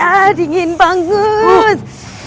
ah dingin banget